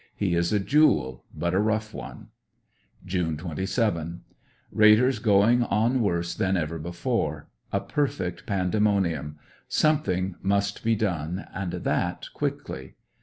He is a jewel, but a rough one. June 27. — Raiders going on worse than ever before. A perfect pandemonium. Something must be done, and that quickly.